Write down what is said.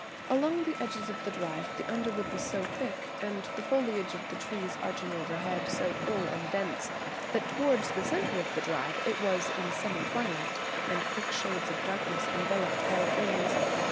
Along the edges of the drive the underwood was so thick, and the foliage of the trees arching overhead so full and dense that towards the centre of the drive it was in semi twilight, and thick shades of darkness enveloped all things.